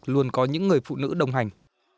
luôn có những người phụ nữ đồng hành